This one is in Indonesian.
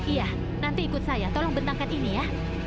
iya nanti ikut saya tolong bentangkan ini ya